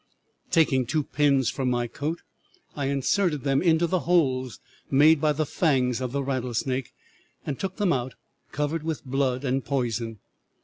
Taking two pins from my coat, I inserted them into the holes made by the fangs of the rattlesnake, and took them out covered with blood and poison.